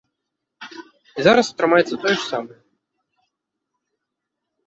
І зараз атрымаецца тое ж самае.